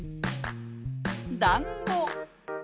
だんご。